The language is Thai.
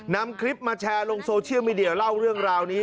นำคลิปมาแชร์ลงโซเชียลมีเดียเล่าเรื่องราวนี้